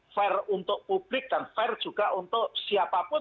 fair untuk publik dan fair juga untuk siapapun